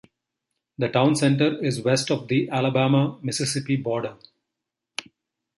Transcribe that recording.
The town center is west of the Alabama-Mississippi border.